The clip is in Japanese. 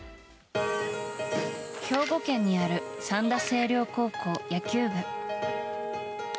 兵庫県にある三田西陵高校野球部。